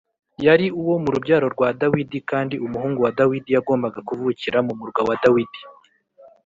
Yari uwo mu rubyaro rwa Dawidi, kandi umuhungu wa Dawidi yagombaga kuvukira mu murwa wa Dawidi